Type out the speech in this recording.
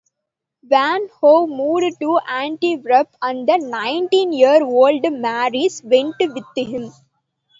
Van Hove moved to Antwerp and the nineteen-year-old Maris went with him.